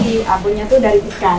nah ibu tadi abunnya itu dari ikan